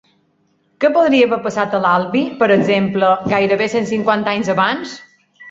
Què podria haver passat a l'Albi, per exemple, gairebé cent cinquanta anys abans?